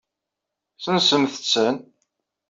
Sensemt-ten.